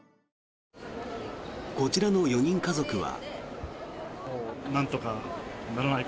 こちらの４人家族は。